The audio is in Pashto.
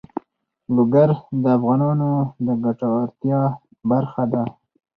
لوگر د افغانانو د ګټورتیا برخه ده.